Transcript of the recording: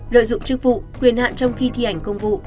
lợi dụng chức vụ quyền hạn trong khi thi hành công vụ